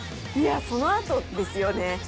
いや、そのあとですよね。